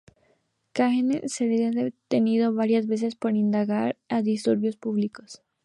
Kahane sería detenido varias veces por incitar a disturbios públicos.